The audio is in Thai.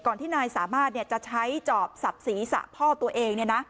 ที่นายสามารถจะใช้จอบสับศีรษะพ่อตัวเอง